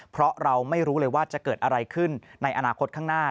เพราะเราไม่รู้เลยว่าจะเกิดอะไรขึ้นในอนาคตข้างหน้า